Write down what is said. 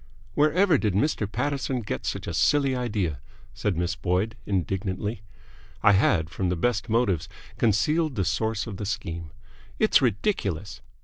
"Wherever did Mr. Paterson get such a silly idea?" said Miss Boyd, indignantly. I had from the best motives concealed the source of the scheme. "It's ridiculous!"